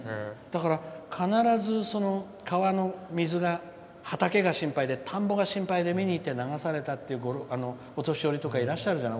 必ず川の水が畑が心配で、田んぼが心配で見に行って流されたってお年寄りとかいらっしゃるじゃない。